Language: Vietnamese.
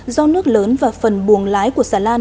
do nước lớn và phần buồng lái của xà lan